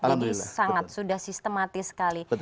jadi sangat sudah sistematis sekali